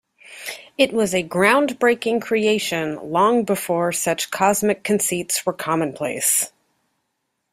It was a groundbreaking creation long before such cosmic conceits were commonplace.